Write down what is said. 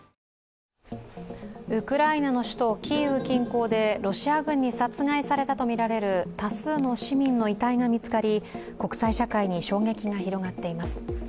ウクライナの首都キーウ近郊でロシア軍に殺害されたとみられる多数の市民の遺体が見つかり国際社会に衝撃が広がっています。